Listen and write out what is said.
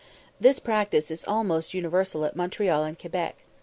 This practice is almost universal at Montreal and Quebec.